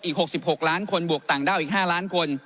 อีก๖๖ล้านคนบวกต่างด้าวอีก๕ล้านคน